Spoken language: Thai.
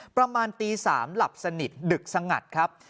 ประมาณตี๓หลับสนิทดึกสงัดครับ